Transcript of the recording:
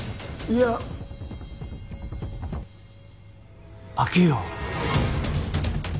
いや開けよう。